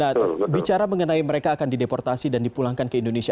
nah bicara mengenai mereka akan dideportasi dan dipulangkan ke indonesia